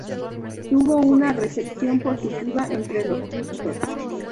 Tuvo una recepción positiva entre los críticos.